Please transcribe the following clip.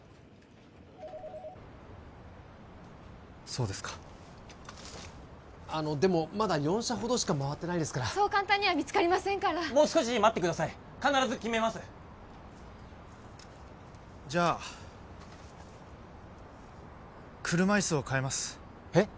そうですかあのでもまだ４社ほどしか回ってないですからそう簡単には見つかりませんからもう少し待ってください必ず決めますじゃあ車いすを替えますえっ？